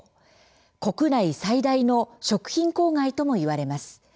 国内最大の食品公害とも言われます。